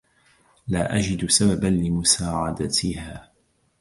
لا أجد سببا لمساعدتها.